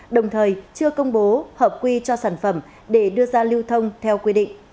đồng thời chưa công bố hợp quy cho sản phẩm để đưa ra lưu thông theo quy định